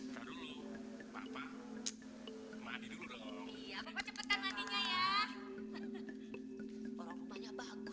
kalau kamu adalah wanita yang ku cari pak